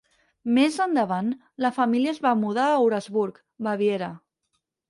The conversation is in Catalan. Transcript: Més endavant, la família es va mudar a Eurasburg, Baviera.